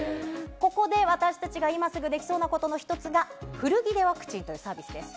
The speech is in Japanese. ここで私たちが今すぐできそうなことの一つが、古着でワクチンというサービスです。